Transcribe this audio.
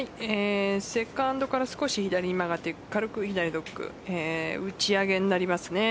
セカンドから少し左に曲がって軽く左ドッグ打ち上げになりますね。